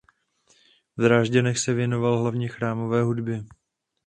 V Drážďanech se věnoval hlavně chrámové hudbě.